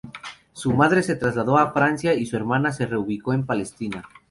Su madre se trasladó a Francia y su hermana se reubicó en Palestina.